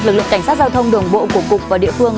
lực lượng cảnh sát giao thông đường bộ của cục và địa phương